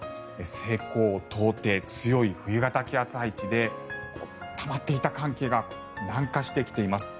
西高東低、強い冬型気圧配置でたまっていた寒気が南下してきています。